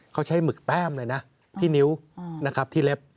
เขาใช้หมึกแต้มเลยนะที่นิ้วนะครับที่เล็บ